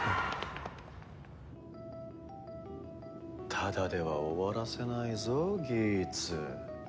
ただでは終わらせないぞギーツ。